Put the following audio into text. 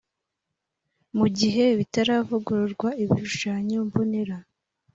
mu gihe bitaravugururwa ibishushanyombonera